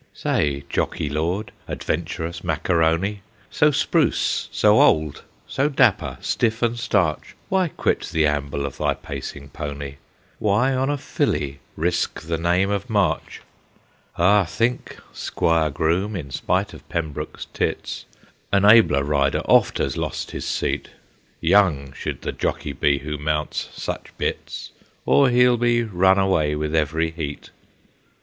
* Say, Jockey Lord, adventurous Macaroni, So spruce, so old, so dapper, stiff, and starch, Why quit the amble of thy pacing pony ? Why on a filly risk the name of March ? 62 THE GHOSTS OF PICCADILLY Ah! think, squire Groom, in spite of Pembroke's tits An abler rider oft has lost his seat ; Young should the jockey be who mounts such bits, Or he '11 be run away with every heat.'